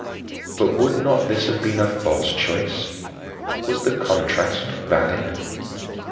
But would not this have been a false choice? Was the contrast valid?